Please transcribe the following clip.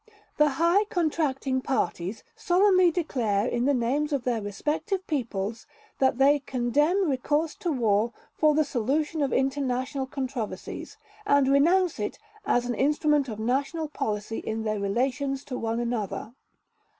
The High Contracting Parties solemnly declare in the names of their respective peoples that they condemn recourse to war for the solution of international controversies and renounce it as an instrument of national policy in their relations to one another."